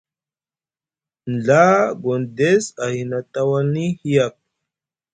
Nɵa Gondes a hina tawalni hiyak.